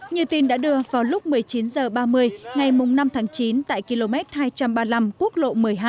như tin đã đưa vào lúc một mươi chín h ba mươi ngày năm tháng chín tại km hai trăm ba mươi năm quốc lộ một mươi hai